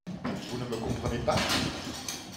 Vous ne me comprenez pas?